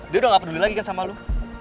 dia udah gak peduli lagi kan sama lo